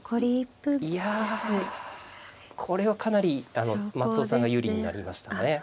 いやこれはかなり松尾さんが有利になりましたね。